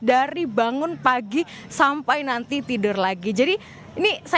dari bangun pagi sampai nanti tidur lagi jadi ini sangat penting untuk kita membuat kegiatan